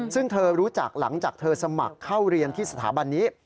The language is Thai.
ซึ่งเธอรู้จักหลังจากเธอสมัครเข้าเรียนที่สถาบันนี้